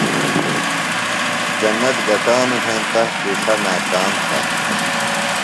جنت گٹانوۡ ہینتہ تِرݜہ ناکام تھہ۔